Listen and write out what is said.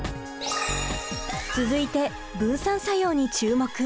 続いて分散作用に注目！